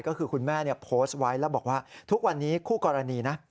ก็คือคุณแม่โพสต์ไว้แล้วบอกว่าทุกวันนี้คู่กรณีนะ